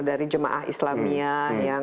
dari jemaah islamia yang